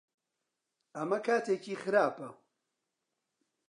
ئەمە کاتێکی خراپە؟